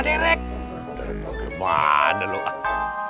dereketan kemana lo